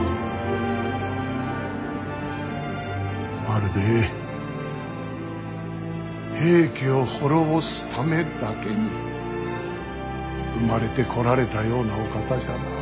まるで平家を滅ぼすためだけに生まれてこられたようなお方じゃな。